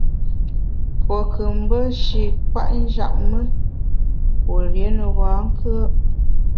Pue nkù mbe shi nkwet njap me, pue rié ne bankùe’.